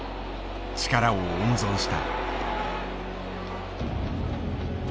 力を温存した。